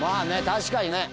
確かにね。